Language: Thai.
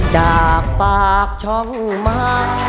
จากปากช่องมา